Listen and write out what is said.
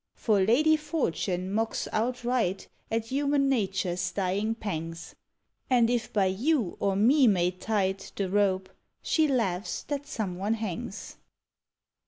For Lady Fortune mocks outright At human nature's dying pangs; And if by you or me made tight The rope, she laughs that some one hangs!